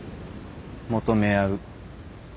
求め合う。